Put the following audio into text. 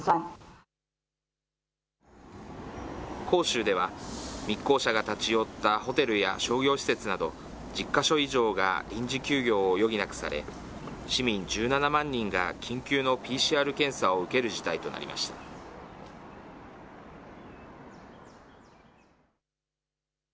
広州では、密航者が立ち寄ったホテルや商業施設など、１０か所以上が臨時休業を余儀なくされ、市民１７万人が緊急のＰＣＲ検査を受ける事態となりました。